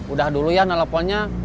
udah dulu ya nelfonnya